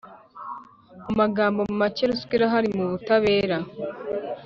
mumagambo macye ruswa irahari mu butabera